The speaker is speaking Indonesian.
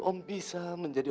om bisa menjadi